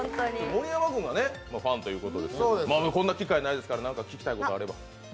盛山君がファンということで、こんな機会ないですから何か聞きたいことあれば。